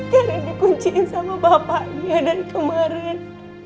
karin di kunciin sama bapaknya dari kemarin